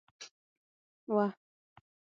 وه